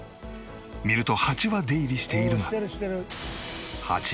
見るとハチは出入りしているが。